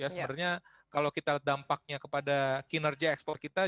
sebenarnya kalau kita lihat dampaknya kepada kinerja ekspor kita